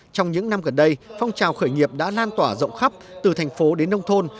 trong những năm gần đây phong trào khởi nghiệp đã lan tỏa rộng khắp từ thành phố đến nông thôn